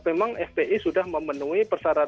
memang fpi sudah memenuhi persyaratan